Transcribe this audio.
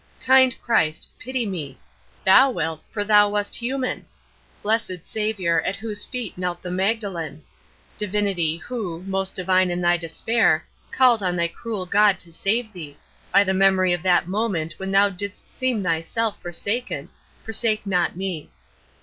Kind Christ, pity me. Thou wilt for Thou wast human! Blessed Saviour, at whose feet knelt the Magdalen! Divinity, who, most divine in Thy despair, called on Thy cruel God to save Thee by the memory of that moment when Thou didst deem Thyself forsaken forsake not me!